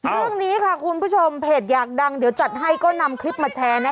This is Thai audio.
เรื่องนี้ค่ะคุณผู้ชมเพจอยากดังเดี๋ยวจัดให้ก็นำคลิปมาแชร์นะคะ